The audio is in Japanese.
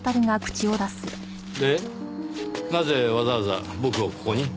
でなぜわざわざ僕をここに？